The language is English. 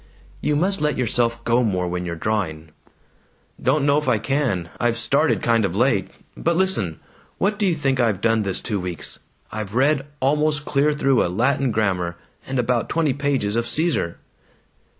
"You must let yourself go more when you're drawing." "Don't know if I can. I've started kind of late. But listen! What do you think I've done this two weeks? I've read almost clear through a Latin grammar, and about twenty pages of Caesar."